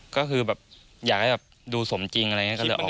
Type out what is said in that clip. ก็คือแบบอยากให้แบบดูสมจริงอะไรอย่างนี้ก็เลยออก